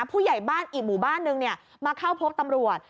ผู้ใหญ่บ้านอีกหมู่บ้านนึงมาเข้าพบตำรวจ